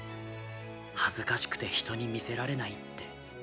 恥ずかしくて人に見せられないって。